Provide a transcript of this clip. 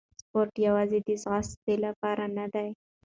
سپورت یوازې د ځغاستې لپاره نه دی.